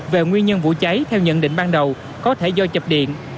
về nguyên nhân vụ cháy theo nhận định ban đầu có thể do chập điện